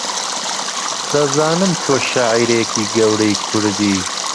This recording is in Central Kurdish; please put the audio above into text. دەزانم تۆ شاعیرێکی گەورەی کوردی